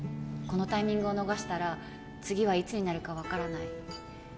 このタイミングを逃したら次はいつになるか分からない